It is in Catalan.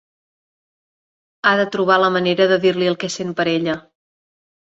Ha de trobar la manera de dir-li el que sent per ella.